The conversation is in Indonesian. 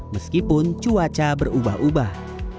meskipun cuaca berubah ubah